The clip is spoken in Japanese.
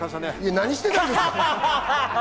何してたんですか？